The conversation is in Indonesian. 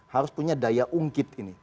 harus punya daya ungkit ini